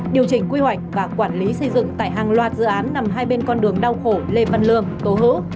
điều chỉnh quy hoạch và quản lý xây dựng tại hàng loạt dự án nằm hai bên con đường đau khổ lê văn lương tố hữu